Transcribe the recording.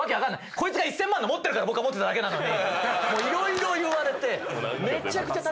こいつが１，０００万の持ってるから僕は持ってただけなのに色々言われてめちゃくちゃたたかれてたんですけど。